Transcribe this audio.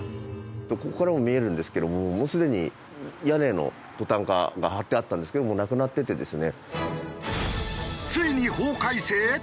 ここからも見えるんですけどももうすでに屋根のトタンが張ってあったんですけどもうなくなっててですね。